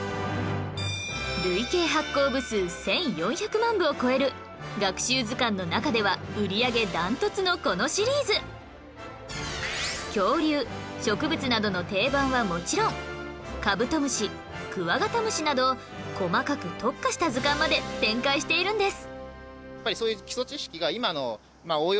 累計発行部数１４００万部を超える学習図鑑の中では売り上げ断トツのこのシリーズ恐竜植物などの定番はもちろんカブトムシクワガタムシなど細かく特化した図鑑まで展開しているんです